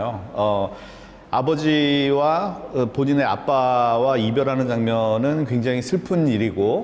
oh abuji wa ke dua di atas wajib jalanan yang menengah yang selesai pun diri go